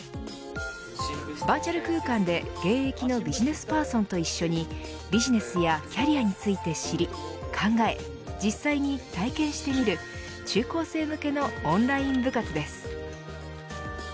バーチャル空間で、現役のビジネスパーソンと一緒にビジネスやキャリアについて知り考え、実際に体験してみる中高生向けのオンライン部活です。